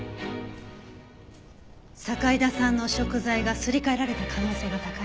堺田さんの食材がすり替えられた可能性が高いの。